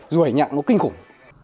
rủi nhặn nó kinh khủng